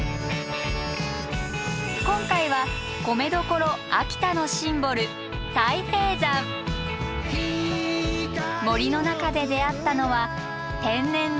今回は米どころ秋田のシンボル森の中で出会ったのは天然の秋田スギ。